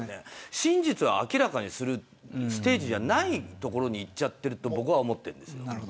真実を明らかにするステージじゃないところにいっちゃっていると思っているんです。